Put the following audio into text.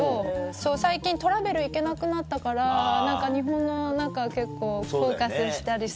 そう最近トラベル行けなくなったから何か日本の中結構フォーカスしたり。